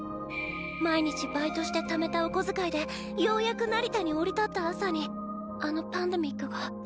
毎日バイトしてためたお小遣いでようやく成田に降り立った朝にアノパンデミックが。